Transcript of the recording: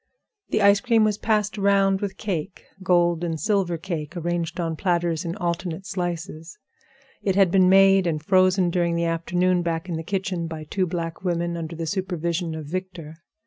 The ice cream was passed around with cake—gold and silver cake arranged on platters in alternate slices; it had been made and frozen during the afternoon back of the kitchen by two black women, under the supervision of Victor.